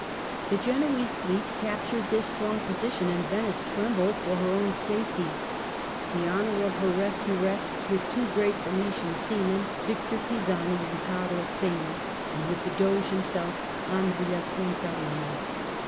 The Genoese fleet captured this strong position and Venice trembled for her own safety. The honour of her rescue rests with two great Venetian seamen, Victor Pisani and Carlo Zeno, and with the Doge himself, Andrea Contarini.